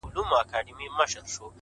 د حقیقت منل پرمختګ چټکوي.!